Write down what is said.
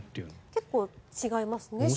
結構違いますね。